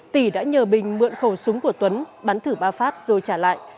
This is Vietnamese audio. tỉ đã nhờ bình mượn khẩu súng của tuấn bắn thử ba phát rồi trả lại